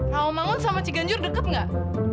rawamangun sama ciganjur deket nggak